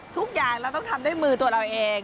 ทุกอย่างเราต้องทำด้วยมือตัวเราเอง